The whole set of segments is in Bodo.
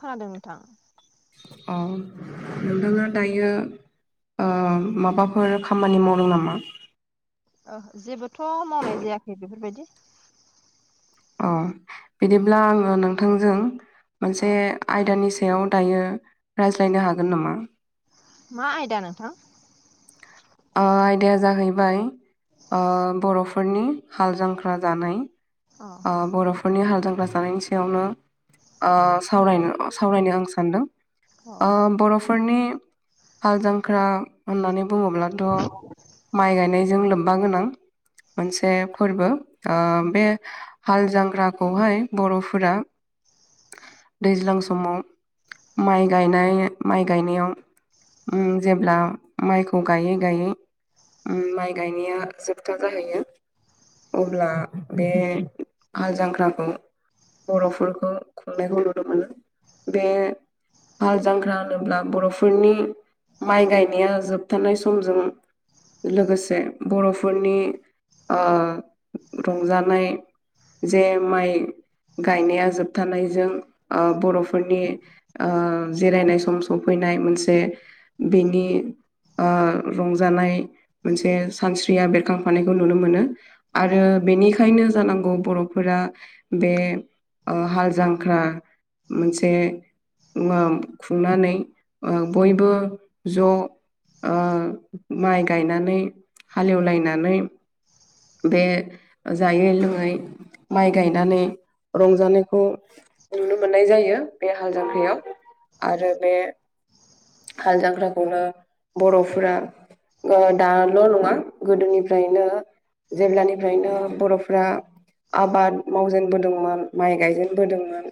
खोनादों नोंथां। अ नोंथाङा दायो ओ माबाफोर खामानि मावदों नामा? ओ जेबोथ' मावनाय जायाखै बेफोरबायदि ओ बिदिब्ला आङो नोंथांजों औ मोनसे आयदानि सायाव दायो रायज्लायनो हागोन नामा? मा आयदा नोंथां? ओ आयदाया जाहैबाय ओ बर'फोरनि हाल जांख्रा जानाय। औ ओ बर'फोरनि हाल जांग्रा जानायनि सायावनो ओ सावरायनो सावरायनो आं सानदों औ ओ बर'फोरनि हाल जांख्रा होननानै बुङोब्लाथ' माइ गायनायजों लोब्बा गोनां मोनसे फोरबो ओ बे हाल जांग्राखौहाय बर'फोरा दैज्लां समाव माइ गायनाय माइ गायनायाव उम जेब्ला माइखौ गायै गायै उम माइ गायनाया जोबथा जाहैयो अब्ला बे हाल जांख्राखौ बर'फोरखौ खुंनायखौ नुनो मोनो। बे हाल जांख्रा होनोब्ला बर'फोरनि माइ गायनाया जोबथानाय समजों लोगोसे बर'फोरनि ओ रंजानाय जे माइ गायनाया जोब थानायजों ओ बर'फोरनि ओ जिरायनाय सम सफैनाय मोनसे बेनि ओ रंजानाय मोनसे सानस्रिया बेरखांफानायखौ नुनो मोनो। उम आरो बेनिखायनो जानांगौ बर'फोरा बे ओ हाल जांख्रा मोनसे उमाम खुंनानै बयबो ज' माइ गायनानै हालेवलायनानै बे जायै लोङै माइ गायनानै रंजानायखौ नुनो मोननाय जायो बे हाल जांख्रायाव आरो बे हाल जग्राखौनो बर'फोरा ओ दाल' नङा गोदोनिफ्रायनो जेब्लानिफ्रायनो बर'फोरा आबाद मावजेनबोदोंमोन माइ गायजेनबोदोंमोन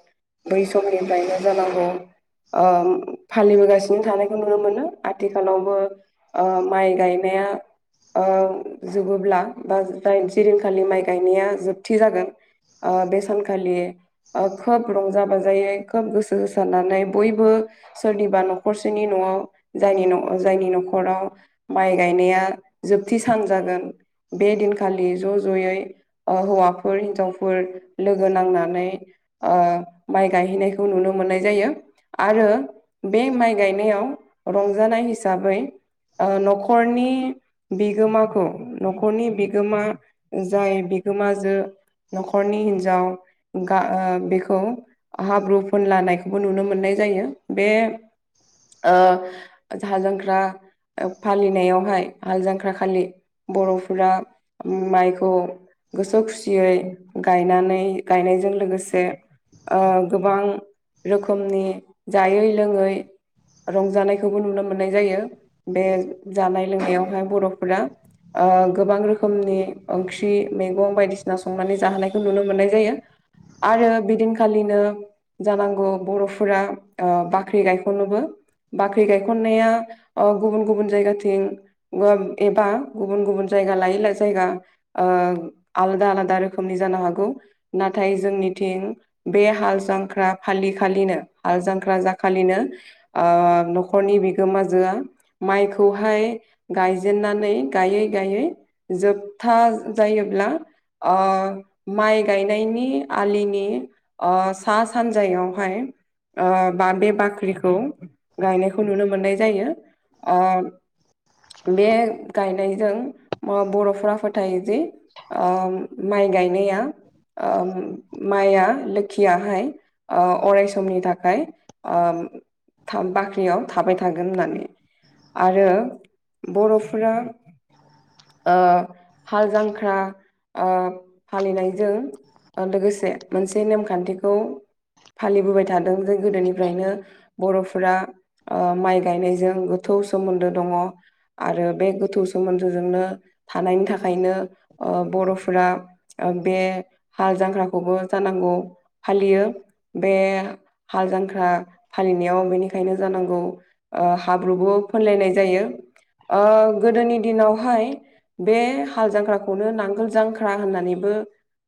बै समनिफ्रायनो जानांगौ ओ फालिबोगासिनो सिनो थानायखौ नुनो मोनो आथिखालावबो ओ माइ गायनाया ओ जोबोब्ला बा जे दिनखालि माइ गायनाया जोबथि जागोन ओ बेसानखालि ओ खोब रंजा बाजायै खोब गोसो होसारनानै बयबो सोरनिबा नखर 'खरसेनि न'आव जायनि जायनि न'खराव माइ गायनाया जोबथि सान जागोन बे दिनखालि ज' ज'यै ओ हौवाफोर हिन्जावफोर लोगो नांनानै ओ माइ गायहैनायखौ नुनो मोननाय जायो आरो बे माइ माइ गायनायाव रंजानाय हिसाबै न'खरनि बिगोमाखौ न'खरनि बिगोमा जाय बिगोमाजो न'खरनि हिन्जाव गा ओ बेखौ हाब्रु फोनलानायखौबो नुनो मोननाय जायो बे ओ जाल जांख्रा फालिनायावहाय हाल जांख्राखालि बर'फोरा माइखौ गोसो खुसियै गायनानै गायनायजों लोगोसे ओ गोबां रोखोमनि जायै लोङै रंजानायखौबो नुनो मोननाय जायो बे जानाय लोंनायावहाय बर'फोरा ओ गोबां रोखोमनि ओंख्रि मैगं बायदिसिना संनानै जाहोनायखौ नुनो मोननाय जायो। आरो बिदिनखालिनो जानांगौ बर'फोरा ओ बाख्रि गायख'नोबो। बाख्रि गायखन्नाया ओ गुबुन गुबुन जायगाथिं ओ एबा गुबुन गुबुन जायगा लायैै जायगा ओ आलादा आलादा रोखोमनि जानो हागौ नाथाय जोंनिथिं बे हाल जांख्रा फालि खालिनो हाल जांख्रा जाखालिनो ओ न'खरनि बिगोमाजोआ माइखौहाय गायजेनन्नानै गायै गायै जोबथा जायोब्ला ओ माइ गायनायनि आलिनि ओ सा सानजायावहाय ओ बा बे बाख्रिखौ गायनायखौ नुनो मोननाय जायो ओ बे गायनायजों म बर'फोरा फोथायोजि ओ माइ गायनाया ओ माइआ लोखियाहाय ओ अराय समनि थाखाय ओम बाख्रियाव थाबाय थागोन होननानै। आरो बर'फोरा ओ हाल जांख्रा ओ फालिनायजों ओ लोगोसे मोनसे नेमखान्थिखौ फालिबोबाय थादों जे गोदोनिफ्रायनो बर'फोरा ओ माइ गायनायजों गोथौ सोमोन्दो दङ। आरो बे गोथौ सोमोन्दोजोंनो थानायनि थाखायनो ओ बर'फोरा ओ बे हाल जांख्राखौबो जानांगौ फालियो बे हाल जांख्रा फालिनायाव बेनिखायनो जानांगौ ओ हाब्रुबो फोनलायनाय जायो। ओ गोदोनि दिनावहाय बे हाल जांख्राखौनो नांगोल जांख्रा होननानैबो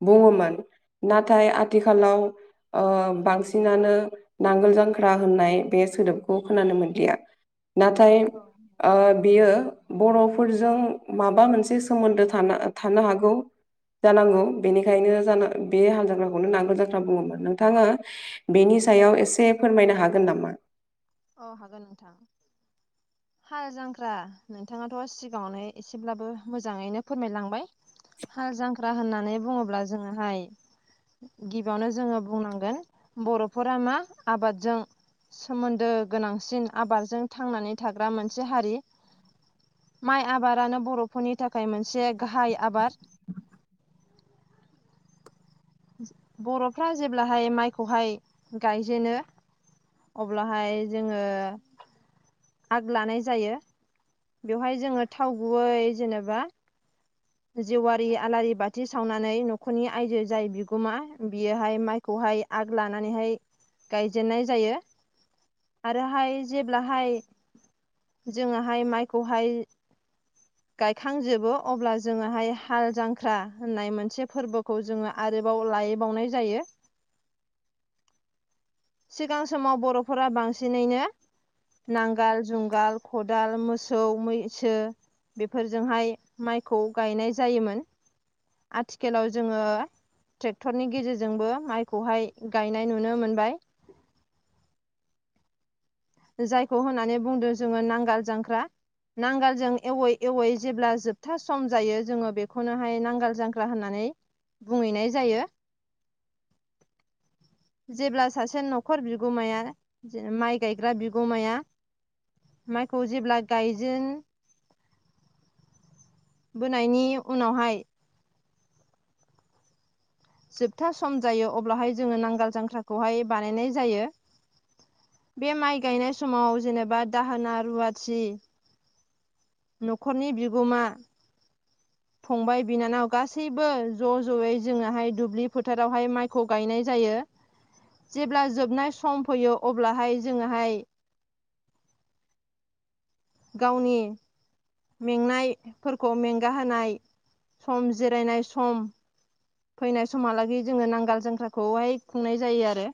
बुङोमोन नाथाय आथिखालाव ओ बांसिनानो नांगोल जांख्रा होननाय बे सोदोबखौ खोनानो मोनलिया। नाथाय औ ओ नोंथां बियो बर'फोरजों माबा मोनसे सोमोन्दो थाना थानो हागौ। जानांगौ बेनिखायनो जाना बे हाल जांख्राखौनो नांगोल जांख्रा बुङोमोन नोंथाङा बेनि सायाव एसे फोरमायनो हागोन नामा? अ हागोन नोंथां। हाल जांख्रा नोंथाङाथ' सिगाङावनो एसेब्लाबो मोजाङैनो फोरमायलांबाय। हाल जांख्रा होननानै बुङोब्ला जोङोहाय गिबियावनो जोङो बुंनांगोन बर'फोरा मा आबादजों सोमोन्दो गोनांसिन आबादजों थांनानै थाग्रा मोनसे हारि। माइ आबारानो बर'फोरनि थाखाय मोनसे गाहाइ आबाद। बर'फ्रा जेब्लाहाय माइखौहाय गायजेनो अब्लाहाय जोङो आग लानाय जायो। बेवहाय जोङो थाव गुबै जेनेबा जेवारि आलारि बाथि सावनानै न'खरनि आयजो जाय बिगोमा बियोहाय माइ खौहाय आग लानानैहाय गायजेन्नाय जायो। आरोहाय जेब्लाहाय जोङाहाय माइखौहाय गायखांजोबो अब्ला जोङोहाय हाल जांख्रा होननाय मोनसे फोरबो खौ जोङो आरोबाव लायबावनाय जायो सिगां समाव बर'फोरा बांसिनैनो नांगाल, जुंगाल, खदाल, मोसौ, मैसो बेफोरजोंहाय माइखौ गायनाय जायोमोन आथिखालाव जोङो ट्रेक्टरनि गेजेरजोंबो माइखौहाय गायनाय नुनो मोनबाय [inaudible] जायखौ होननानै बुंदों जोङो नांगोल जांख्रा नांगोलजों एवै एवै जेब्ला जोबथा सम जायो जोङो बेखौनोहाय नांगाल जांग्रा होननानै बुंहैनाय जायो जेब्ला सासे न'खर बिगोमाया माइ गायग्रा बिगोमाया माइखौ जेब्ला गायजेन बोनायनि उनावहाय जोबथा सम जायो अब्लाहाय जोङो नांगाल जांख्राखौहाय बानायनाय जायो बे माइ गायनाय समाव जेनेबा दाहोना, रुवाथि न'खरनि बिगोमा फंबाय, बिनानाव गासैबो ज' जयै जोङोहाय दुब्लि फोथारावहाय माइ खौ गायनाय जायो जेब्ला जोबनाय सम फैयो अब्लाहाय जोङोहाय गावनि मेंनायफोरखौ मेंगाहोनाय सम जिरायनाय सम फैनाय समहालागै जोङो नांगोल जांख्राखौहाय खुंनाय जायो आरो।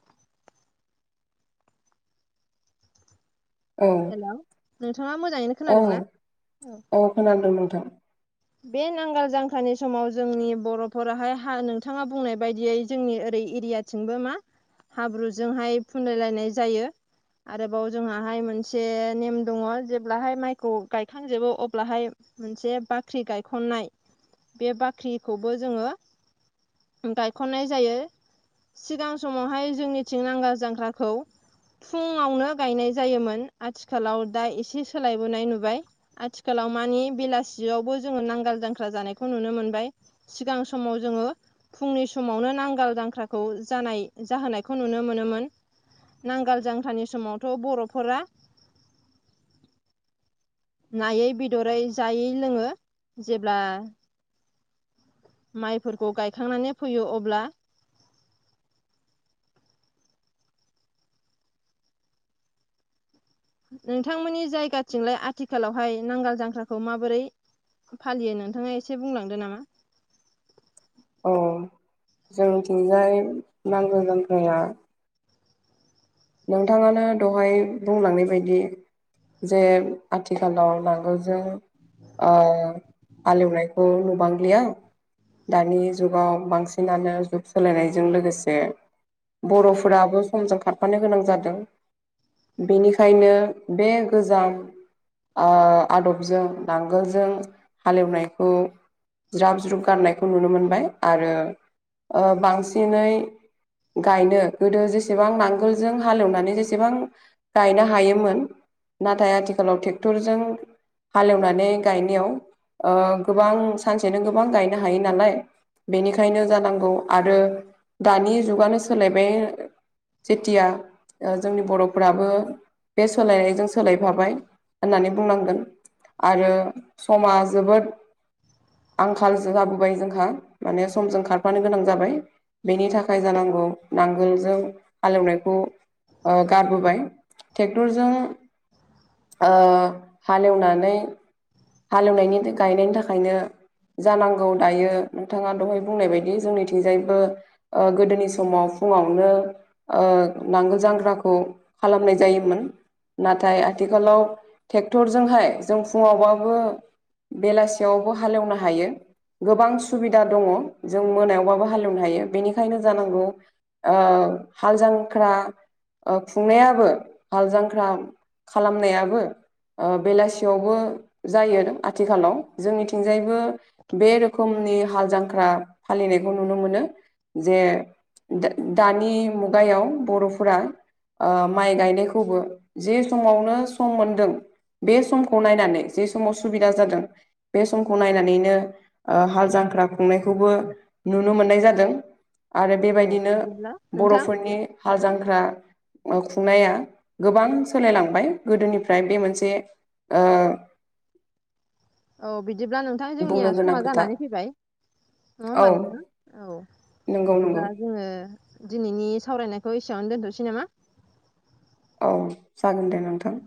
औ हेलौ नोंथाङा मोजाङैनो औ खोनादों ना? औ। खोनादों नोंथां। बे नांगाल जांख्रानि समाव जोंनि बर'फोराहाय हा नोंथाङा बुंनाय बायदियै जोंनि ओरै एरिया थिंबो मा हाब्रुजोंहाय फुनलाय लायनाय जायो आरोबाव जोंङाहाय मोनसे नेम दङ जेब्लाहाय माइखौ गायखांजोबो अब्लाहाय मोनसे बाख्रि गायखन्नाय बे बाख्रिखौबो जोङो गायख'ननाय जायो। सिगां समावहाय जोंनिथिं नांगोल जांग्राखौ फुङावनो गायनाय जायोमोन आथिखालाव दा एसे सोलायबोनाय नुबाय आथिखालाव मानि बेलासियावबो जोङो नांगाल जांख्रा जानायखौ नुनो मोनबाय सिगां समाव जोङो फुंनि समावनो नांगाल दांख्राखौ जानाय जाहोनायखौ नुनो मोनोमोन। नांगाल जांख्रानि समावथ' बर'फोरा नायै, बेदरै जायै लोङो जेब्ला माइफोरखौ गायखांनानै फैयो अब्ला नोंथांमोननि जायगाथिंलाय आथिखालावहाय नांगाल जांख्राखौ माबोरै फालियो नोंथाङा एसे बुंलांदो नामा? औ जोंथिंजाय नांगौ जांख्राया नोंथाङानो दहाय बुंलांनाय बायदि जे आथिखालाव नांगोलजों ओ हालेवनायखौ नुबांलिया। दानि जुगाव बांसिनानो जुग सोलायनायजों लोगोसे बर'फोराबो समजों खारफानो गोनां जादों। बेनिखायनो बे गोजाम ओ आदबजों नांगोलजों हालेवनायखौ ज्राब ज्रुब गारनायखौ नुनो मोनबाय आरो ओ बांसिनै गायनो गोदो जेसेबां नांगोल जों हालएवनानै जेसेबां गायनो हायोमोन नाथाय आथिखालाव ट्रेक्टरजों हालेवनानै गायनायाव ओ गोबां सानसेनो गोबां गायनो हायो नालाय। बेनिखायनो जानांगौ आरो दानि जुगानो सोलायबाय। जेथिया जोंनि बर'फोराबो बे सोलायनायजों सोलायफाबाय होननानै बुंनांगोन आरो समा जोबोद आंखाल जाबोबाय जोंहा माने समजों खारफानो गोनां जाबाय बेनि थाखाय जानांगौ नांगोलजों हालेवनायखौ ओ गारबोबाय ट्रेक्टरजों ओ हालेवनानै हालेवनायनि गायनायनि थाखायनो जानांगौ दायो नोंथाङा दहाय बुंनाय बायदि जोंनिथिंजायबो ओ गोदोनि समाव फुंङावनो ओ नांगोल जांग्राखौ खालामनाय जायोमोन। नाथाय आथिखालाव ट्रेक्टरजोंहाय जों फुङावबाबो बेलासियावबो हालेवनो हायो। गोबां सुबिदा दङ जों मोनायावबाबो हालेवनो हायो बेनिखायनो जानांगौ हाल जांख्रा ओ खुंनायाबो हाल जांख्रा खालामनायाबो ओ बेलासियावबो जायो आथिखालाव जोंनिथिं थिंजायबो बे रोखोमनि हाल जांख्रा फालिनायखौ नुनो मोनो जे दा-दानि मुगायाव बर'फोरा ओ माइ गायनायखौबो जे समावनो सम मोनदों। बे समखौ नायनानै जे समाव सुबिदा जादों बे समखौ नायनानैनो ओ हाल जांख्रा खुंनायखौबो नुनो मोननाय जादों आरो औ बेबायदिनो बिदिब्ला नोंथां माने हाल जांख्रा- ओ खुंनाया गोबां सोलायलांबाय गोदोनिफ्राय बे मोनसे ओ औ बिदिब्ला नों नोंथां बुंनो जोंनिया गोनां समा खोथा जानानै फैबाय नङा औ होमबा नोंथां औ नंगौ नंगौ बिदिब्ला जोङो दिनैनि सावरायनायखौ एसेबांनो दोनथ'सै नामा? औ जागोन दे नोंथां।